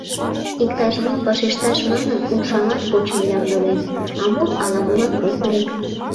Иктаж-мом вашешташ манын, умшамат почын ямдылен, а мут ала-молан ок лек.